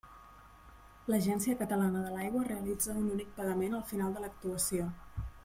L'Agència Catalana de l'Aigua realitza un únic pagament al final de l'actuació.